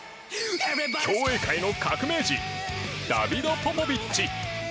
競泳界の革命児ダビド・ポポビッチ。